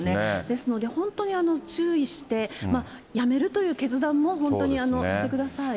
ですので本当に注意して、やめるという決断も本当にしてください。